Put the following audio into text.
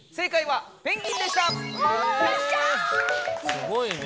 すごいねえ。